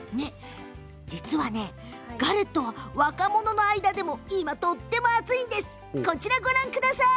実はガレットは若者の間でも今とっても熱いんです。